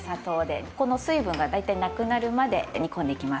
この水分がだいたいなくなるまで煮込んでいきます。